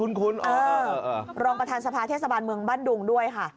คุณเออรองประธานสภาเทศบาลเมืองบ้านดุงด้วยค่ะ